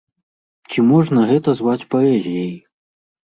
Ці можна гэта зваць паэзіяй?